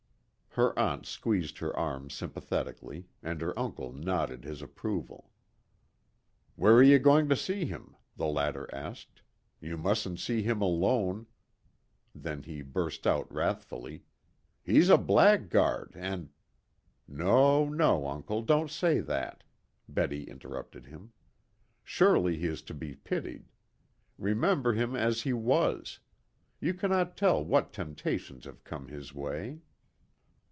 Her aunt squeezed her arm sympathetically, and her uncle nodded his approval. "Where are you going to see him?" the latter asked. "You mustn't see him alone." Then he burst out wrathfully, "He's a blackguard, and " "No, no, uncle, don't say that," Betty interrupted him. "Surely he is to be pitied. Remember him as he was. You cannot tell what temptations have come his way."